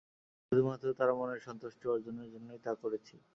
আমি শুধু মাত্র তাঁর মনের সন্তুষ্টি অর্জনের জন্যই তা করেছি।